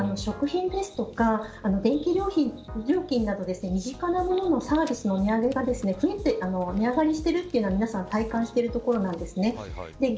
現在、食品ですとか電気料金など身近なもののサービスの値上げがとにかく、値上がりしているというのは体感してるところなんですね。